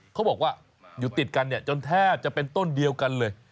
เขาบอกว่าอยู่ติดกันจนแทบจะเป็นต้นเดียวกันเลย